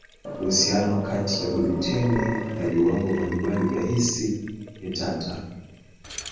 Uhusiano kati ya gluteni na viwango mbalimbali vya hisi ni tata.